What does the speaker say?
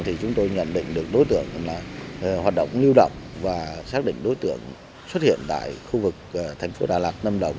thì chúng tôi nhận định được đối tượng là hoạt động lưu động và xác định đối tượng xuất hiện tại khu vực thành phố đà lạt lâm đồng